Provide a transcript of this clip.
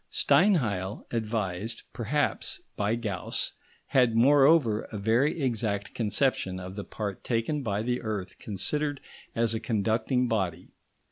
Steinheil, advised, perhaps, by Gauss, had, moreover, a very exact conception of the part taken by the earth considered as a conducting body.